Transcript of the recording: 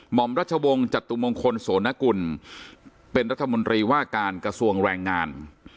หมอมรัชวงศ์จตุมงคลโสนกุลเป็นรัฐมนตรีว่าการกระทรวงแรงงาน